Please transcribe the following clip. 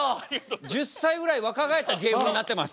１０歳ぐらい若返った芸風になってます。